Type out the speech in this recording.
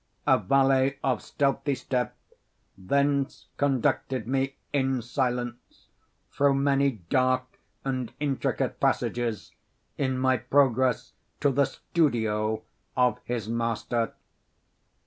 A valet, of stealthy step, thence conducted me, in silence, through many dark and intricate passages in my progress to the studio of his master.